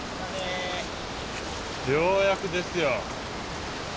ようやくですよ。